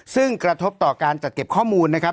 ซึ่งกระทบต่อการจัดเก็บข้อมูลนะครับ